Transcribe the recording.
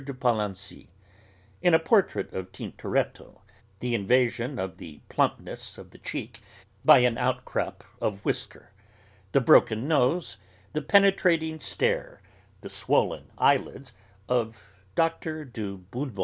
de Palancy; in a portrait by Tintoretto, the invasion of the plumpness of the cheek by an outcrop of whisker, the broken nose, the penetrating stare, the swollen eyelids of Dr. du Boulbon.